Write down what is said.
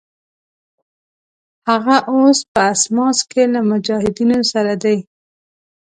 هغه اوس په اسماس کې له مجاهدینو سره دی.